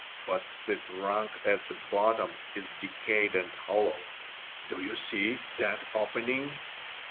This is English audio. But the trunk at the bottom is decayed and hollow. Do you see that opening?